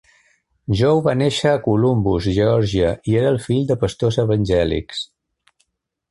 Joe va néixer a Columbus, Geòrgia i era el fill de pastors evangèlics.